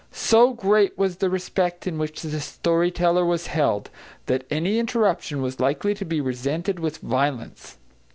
So great was the respect in which the story teller was held, that any interruption was likely to be resented with violence.